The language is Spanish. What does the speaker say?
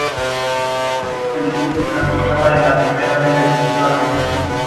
Anunció su intención de presentarse al puesto de Primer Ministro.